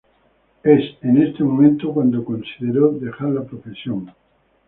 En es este momento cuando consideró dejar la profesión.